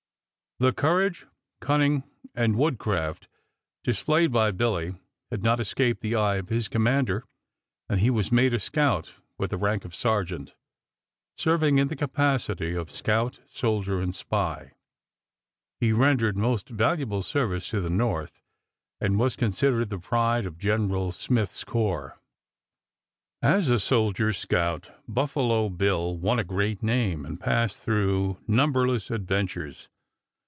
The courage, cunning, and woodcraft displayed by Billy had not escaped the eye of his commander, and he was made a scout with the rank of sergeant. Serving in the capacity of scout, soldier, and spy he rendered most valuable service to the North and was considered the pride of General Smith's corps. As a soldier scout Buffalo Bill won a great name and passed through numberless adventures.